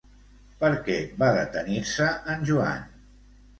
Per què va detenir-se en Joan?